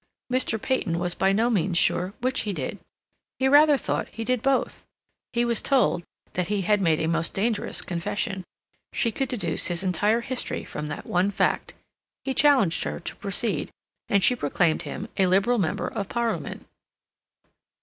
Mr. Peyton was by no means sure which he did. He rather thought he did both. He was told that he had made a most dangerous confession. She could deduce his entire history from that one fact. He challenged her to proceed; and she proclaimed him a Liberal Member of Parliament.